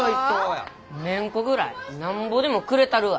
メンコぐらいなんぼでもくれたるわ。